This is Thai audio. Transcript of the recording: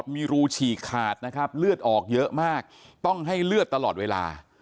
มีรูฉีกขาดนะครับเลือดออกเยอะมากต้องให้เลือดตลอดเวลา